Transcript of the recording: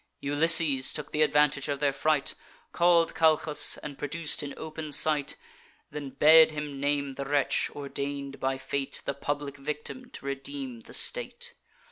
Ulysses took th' advantage of their fright; Call'd Calchas, and produc'd in open sight: Then bade him name the wretch, ordain'd by fate The public victim, to redeem the state.